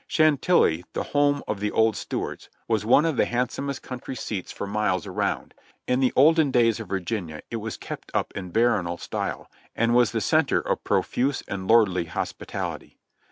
Chantilly, the home of the old Stuarts, v\^as one of the hand somest country seats for miles around. In the olden days of Vir ginia it was kept up in baronial style, and was the center of pro fuse and lordly hospitality.